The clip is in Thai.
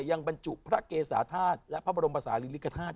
บรรจุพระเกษาธาตุและพระบรมภาษาิริกฐาตุ